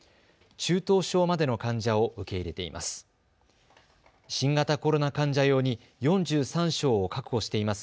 中等症までの患者を受け入れています。